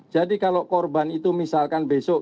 kalau korban itu misalkan besok